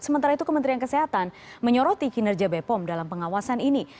sementara itu kementerian kesehatan menyoroti kinerja bepom dalam pengawasan ini